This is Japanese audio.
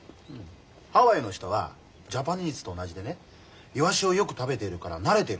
「ハワイの人はジャパニーズと同じでねイワシをよく食べているから慣れてる」